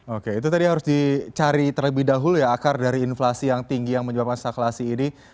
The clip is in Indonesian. oke itu tadi harus dicari terlebih dahulu ya akar dari inflasi yang tinggi yang menyebabkan stakulasi ini